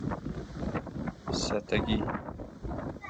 ستگی